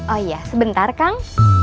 oh iya sebentar kang